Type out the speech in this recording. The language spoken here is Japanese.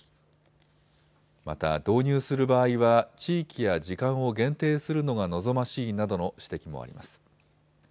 また導入する場合は地域や時間を限定するのが望ましいなどの指摘もあります。